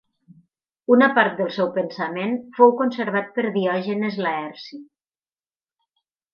Una part del seu pensament fou conservat per Diògenes Laerci.